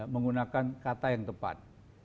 menggunakan kata yang tepat